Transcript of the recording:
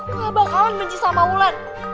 aku gak bakalan benci sama ulan